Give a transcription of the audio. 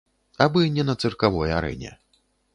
Абы не на цыркавой арэне.